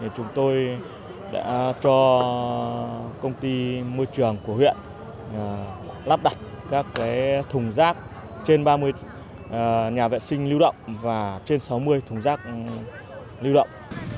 chúng tôi đã cho công ty môi trường của huyện lắp đặt các thùng rác trên ba mươi nhà vệ sinh lưu động và trên sáu mươi thùng rác lưu động